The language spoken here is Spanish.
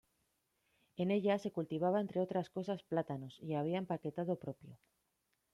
En ella se cultivaba entre otras cosas plátanos y había empaquetado propio.